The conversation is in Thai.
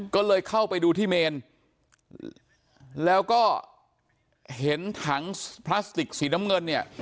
ก็เลยเข้าไปดูที่เมนแล้วก็เห็นถังพลาสติกสีน้ำเงินเนี่ย